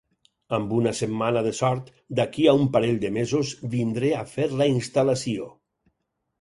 Amb una setmana de sort, d'aquí a un parell de mesos vindré a fer la instal·lació.